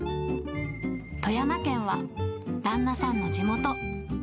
富山県は、旦那さんの地元。